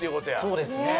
そうですね。